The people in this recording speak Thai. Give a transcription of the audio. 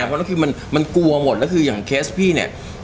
เพราะฉะนั้นคือมันกลัวหมดแล้วคืออย่างเคสพี่เนี่ย